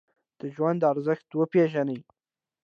د ژوند ارزښت وپیژنئ